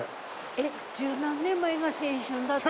えっ、十何年前が青春だって！